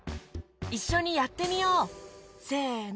いっしょにやってみよう！せの。